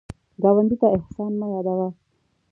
ګاونډي ته احسان مه یادوه